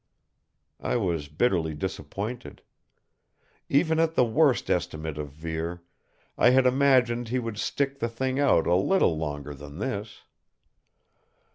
I was bitterly disappointed. Even at the worst estimate of Vere, I had imagined he would stick the thing out a little longer than this.